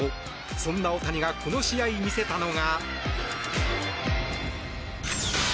そんな大谷がこの試合、見せたのが。